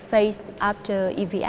như các bạn có thể thấy